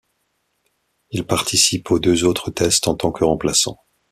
Il participe aux deux autres tests en tant que remplaçant.